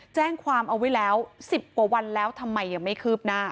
แจ้งความเอาไว้แล้ว๑๐กว่าวันแล้วทำไมยังไม่คืบหน้า